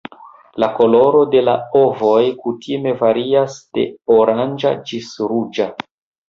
La koloro de la ovoj kutime varias de oranĝa ĝis ruĝa.